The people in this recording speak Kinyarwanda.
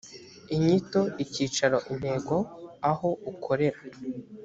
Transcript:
inyito icyicaro intego aho ukorera